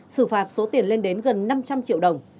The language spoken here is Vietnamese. xử phạt số tiền lên đến gần năm trăm linh triệu đồng